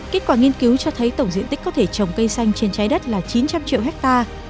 kết quả nghiên cứu cho thấy tổng diện tích có thể trồng cây xanh trên trái đất là chín trăm linh triệu hectare